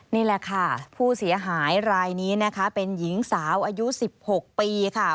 นี่แหละค่ะผู้เสียหายรายนี้นะคะเป็นหญิงสาวอายุ๑๖ปีค่ะ